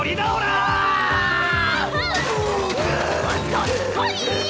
どすこい！